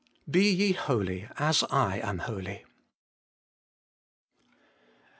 BE YE HOLY, AS I AM HOLY.